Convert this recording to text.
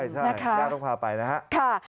ใช่ได้ต้องพาไปนะครับนะคะค่ะ